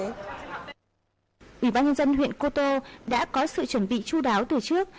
ủy ban nhân dân huyện cô tô đã có sự chuẩn bị chú đáo từ trước